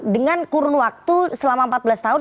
dengan kurun waktu selama empat belas tahun